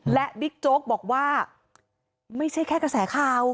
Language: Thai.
และบิ๊กโจ๊กบอกว่าไม่ใช่แค่กระแสข่าว